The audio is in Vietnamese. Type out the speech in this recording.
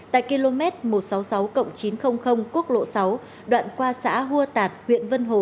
tại km một trăm sáu mươi sáu chín trăm linh quốc lộ sáu đoạn qua xã hua tạt huyện vân hồ